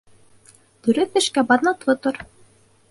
Дөрөҫ эшкә баҙнатлы тор.